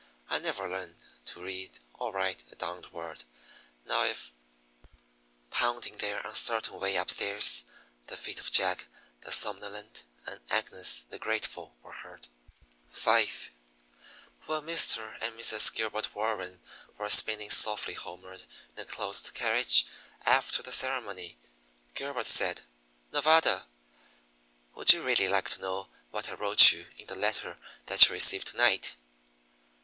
I never learned to read or write a darned word. Now if " Pounding their uncertain way up stairs, the feet of Jack, the somnolent, and Agnes, the grateful, were heard. V When Mr. and Mrs. Gilbert Warren were spinning softly homeward in a closed carriage, after the ceremony, Gilbert said: "Nevada, would you really like to know what I wrote you in the letter that you received to night?"